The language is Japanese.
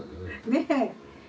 ねえ。